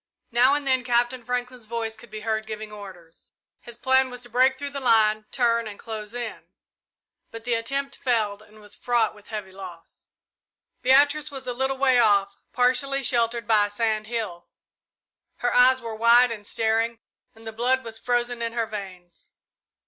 Now and then Captain Franklin's voice could be heard giving orders. His plan was to break through the line, turn, and close in, but the attempt failed and was fraught with heavy loss. Beatrice was a little way off, partially sheltered by a sand hill. Her eyes were wide and staring, and the blood was frozen in her veins.